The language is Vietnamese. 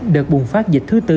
đợt bùng phát dịch thứ tư